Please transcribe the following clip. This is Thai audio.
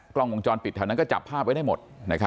กล้องวงจรปิดแถวนั้นก็จับภาพไว้ได้หมด